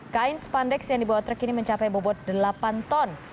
kain spandex yang dibawa truk ini mencapai bobot delapan ton